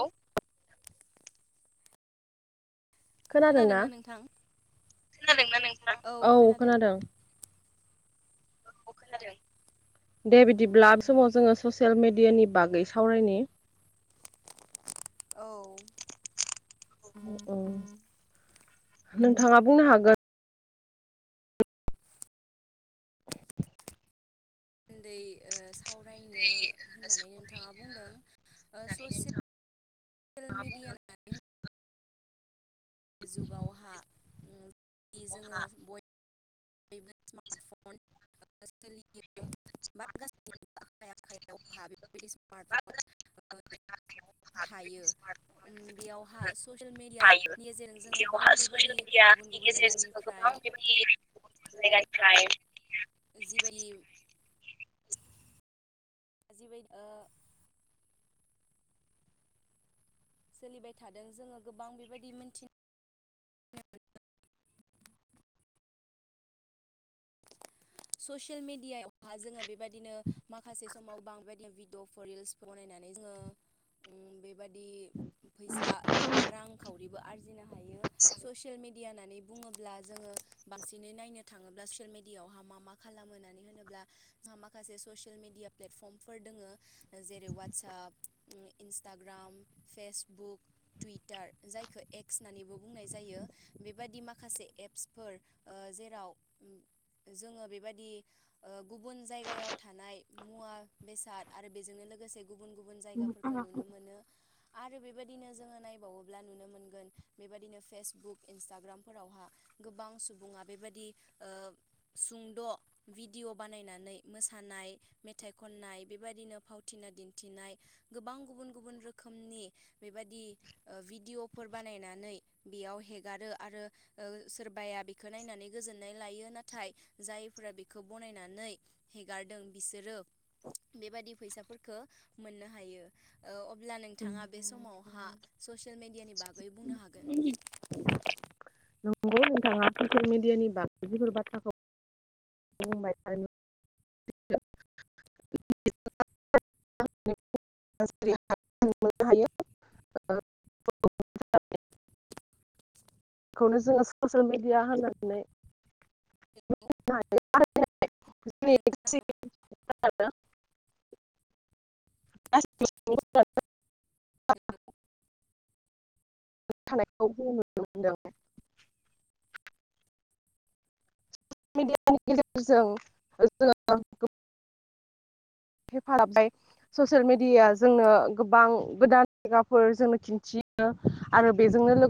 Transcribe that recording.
औ। खोनादोंना खोनादोंना नोंथां औ खोनादों। औ खोनादों दे बिदिब्ला समाव जोङो ससेल मेडियानि बागै सावरायनायनि। औ। उम नोंथाङा बुंनो हागोन मोन्दै ओ सावरायनो होननानै नों थाङा बुंदों ओ ससियेल [inaudible] मिडिया [unintelligible] जुगावहा उम [inaudible] जोङो बय [unintelligible] स्मार्टफन ओ सोलियो बा आखाइ आखाइयाव हा बेफोरबायदि स्मार्टफन ओ थायो उम बेयावहा ससियेल मेडियानि गेजेरजों जोङो बां बेबादि गुबुन यानि गुबुन गेजेरजों जायगानिफ्राय गोबां बेबादि [inaudible] जायगानिफ्राय जिबायदि जिबायद ओ सोलिबाय थादों जोङो गोबां बेबायदि मोनथिं ससियेल मेडियायावहा जोङो बेबायदिनो माखासे समाव बां बेबायदि भिडिअफोर रिल्स बनायनानै जोङो उम बेबादि फैसा एबा रांखावरिबो आरजिनो हायो ससियेल मिडिया नानै बुङोब्ला जोङो बांसिनै नायनो थाङोब्ला ससियेल मेडियाआवहा मा मा खालामो होननानै होनोब्ला जोहा माखासे ससियेल मेडिया प्लेटफर्मफोर दोङो जेरै WhatsApp um Instagram Facebook Twitter जायखौ एक्स होननानैबो बुंनाय जायो बेबादि माखासे एप्सफोर ओ जेराव जोङो बे बायदि गुबुन ओ जायगायाव थानाय मुवा बेसाद आरो बेजोंनो लोगोसे गुबुन गुबुन जायगाफोरखौ नुनो मोनो। आरो बेबायदिनो जोङो नायबावोब्ला नुनो मोनगोन बेबायदिनो फेसबुक इन्सटाग्रामफोरावहा गोबां सुबुङा बेबायादि ओ सुंद' भिडिअ' बानायनानै मोसानाय मेथाइ खननाय बेबायदिनो फावथिना दिन्थिनाय गोबां गुबुन गुबुन रोखोमनि बेबायादि ओ भिडिअ'फोर बानायनानै बेयाव हेगारो आरो ओ सोरबाया बेखौ नायनानै गोजोननाय लायो नाथाय जाय फोरा बेखौ बनायनानै हेगारदों बिसोरो बेबादि फैसाफोरफोरखो मोननो हायो। औ अब्ला नोंथाङा नंगौ बे समावहा ससियेल मेडियानि बागै बुंनो हागोन। नंगौ नोंथाङा ससियेल मिडियानि बागै जिफोर बाथ्राखौ [unintelligible] [unintelligible] हायो ओ खौनो जोङो ससियेल मिडिया होनानै [inaudible] [unintelligible] [unintelligible] थानायखौ जोङो नुनो मोनदों ससियेल मिडियानि गेजेरजों जोङो गो हेफाजाबबाय ससियेल मेडियाया जोंनो गोबांबो गोदान जायगाफोर जोंनो खन्थियो आरो बेजोंनो लो